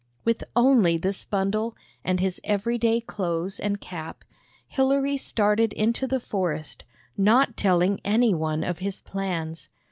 With only this bundle, and his every day clothes and cap, Hilary started into the forest, not telling any one of his plans.